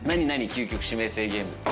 究極指名制ゲームって。